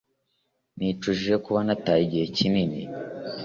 Nicujije kuba nataye igihe kinini